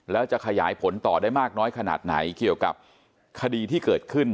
แล้วจะขยายผลต่อได้มากน้อยขนาดไหนเกี่ยวกับคดีที่เกิดขึ้น